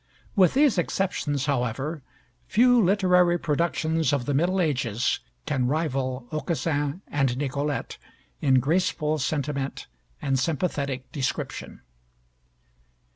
With these exceptions, however, few literary productions of the Middle Ages can rival 'Aucassin and Nicolette' in graceful sentiment and sympathetic description.